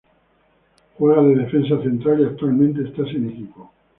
Juega de defensa central y actualmente está sin equipo.